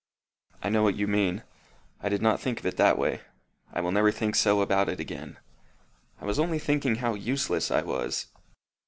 "I know what you mean. I did not think of it that way. I will never think so about it again. I was only thinking how useless I was."